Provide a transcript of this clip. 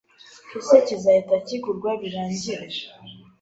Ese kizahita kigurwa birangire